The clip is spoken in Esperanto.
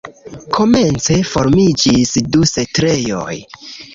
Komence formiĝis du setlejoj.